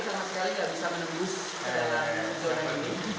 tidak bisa menembus dalam zona ini